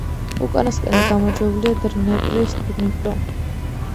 უკანასკნელი გამარჯვებულია დნეპრის „დნიპრო“.